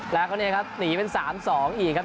แล้วก็เนี่ยครับหนีเป็น๓๒อีกครับ